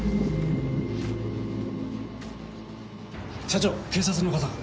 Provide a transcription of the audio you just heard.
社長警察の方が。